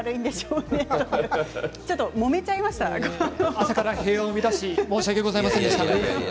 朝から平和を乱し申し訳ございませんでした。